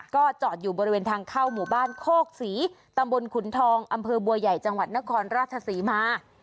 ก็จอดอยู่บริเวณทางเข้าหมู่บ้านโคกศรีตำบลขุนทองอำเภอบัวใหญ่จังหวัดนครราชศรีมา